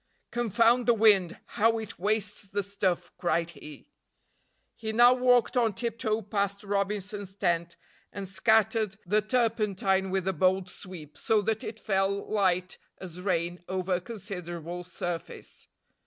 "Confound the wind, how it wastes the stuff," cried he. He now walked on tiptoe past Robinson's tent and scattered the turpentine with a bold sweep, so that it fell light as rain over a considerable surface.